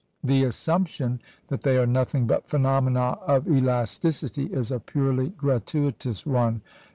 The assumption that they are nothing but phenomena of elasticity is a purely gratuitous one.